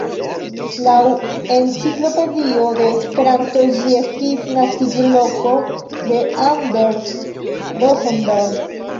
Laŭ Enciklopedio de Esperanto, ĝi estis naskiĝloko de Anders Rosenberg.